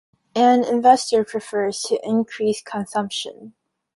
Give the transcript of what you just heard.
An investor prefers to increase consumption.